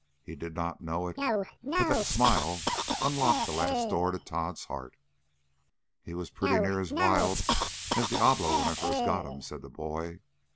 He did not know it, but that smile unlocked the last door to Tod's heart. "He was pretty near as wild as Diablo when I first got him," said the boy.